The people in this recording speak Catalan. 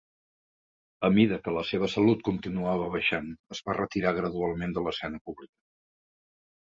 A mida que la seva salut continuava baixant, es va retirar gradualment de l"escena pública.